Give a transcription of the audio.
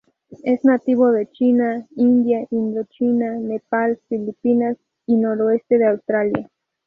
Es nativo de China, India, Indochina, Nepal, Filipinas y noreste de Australia.